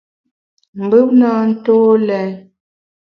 Mbùm na ntô lèn.